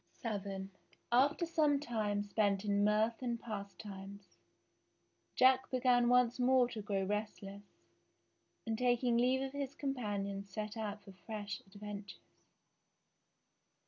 VII After some time spent in mirth and pastimes, Jack began once more to grow restless, and taking leave of his companions set out for fresh adventures.